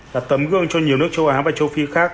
là tấm gương cho nhiều nước châu á và châu phi khác